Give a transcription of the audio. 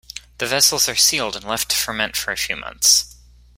The vessels are sealed and left to ferment for a few months.